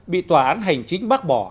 bị tòa án hành chính bác bỏ